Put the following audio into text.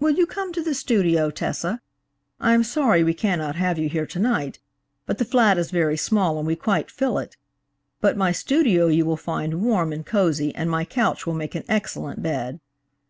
"Will you come to the studio, Tessa? I am sorry we cannot have you here to night, but the flat is very small and we quite fill it. But my studio you will find warm and cozy and my couch will make an excellent bed."